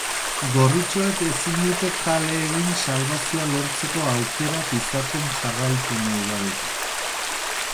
Gorritxoek ezin dute kale egn salbazioa lortzeko aukerak izaten jarraitu nahi badute.